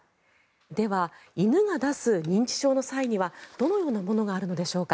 では、犬が出す認知症のサインにはどのようなものがあるのでしょうか。